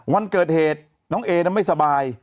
วันเกิดเหตุน้องเอไม่สบาย